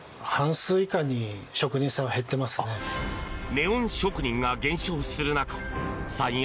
ネオン職人が減少する中サイン